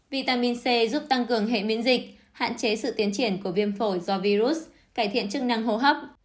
vitamin c giúp tăng cường hệ miễn dịch hạn chế sự tiến triển của viêm phổi do virus cải thiện chức năng hô hấp